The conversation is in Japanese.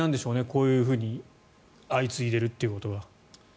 こういうふうに相次いでいるということは。